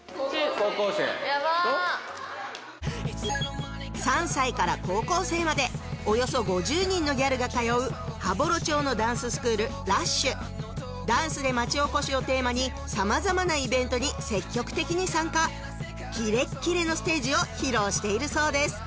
高校生ヤバ３歳から高校生までおよそ５０人のギャルが通う羽幌町のダンススクール「ＬＵＳＨ」「ダンスで町おこし」をテーマにさまざまなイベントに積極的に参加キレッキレのステージを披露しているそうです